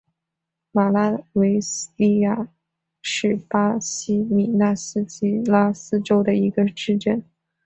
马拉维利亚斯是巴西米纳斯吉拉斯州的一个市镇。